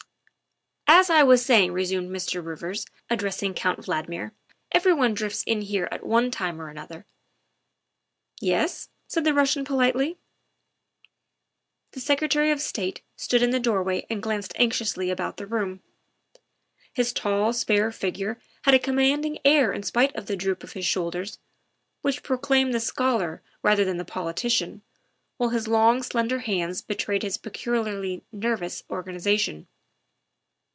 "As I was saying," resumed Mr. Rivers, addressing Count Valdmir, " everyone drifts in here at one time or another. ''" Yes?" said the Russian politely. The Secretary of State stood in the doorway and glanced anxiously about the room. His tall, spare figure had a commanding air in spite of the droop of his shoulders, which proclaimed the scholar rather than the politician, while his long, slender hands betrayed his peculiarly nervous organization.